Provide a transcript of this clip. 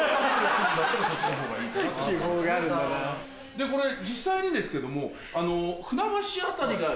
でこれ実際にですけども。